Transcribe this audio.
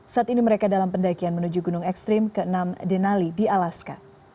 saat ini mereka dalam pendakian menuju gunung ekstrim ke enam denali di alaska